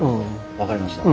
分かりました。